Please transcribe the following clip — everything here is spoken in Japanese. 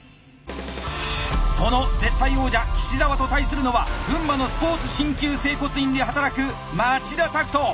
その絶対王者岸澤と対するのは群馬のスポーツしんきゅう整骨院で働く町田拓人。